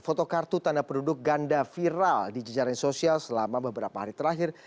foto kartu tanda penduduk ganda viral di jajaran sosial selama beberapa hari terakhir